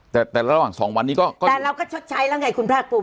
แต่แต่ระหว่างสองวันนี้ก็แต่เราก็ชดใช้แล้วไงคุณภาคภูมิ